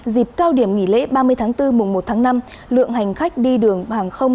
dịp cao điểm nghỉ lễ ba mươi tháng bốn mùa một tháng năm lượng hành khách đi đường hàng không